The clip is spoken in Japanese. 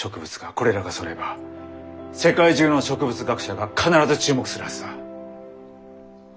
これらがそろえば世界中の植物学者が必ず注目するはずだ。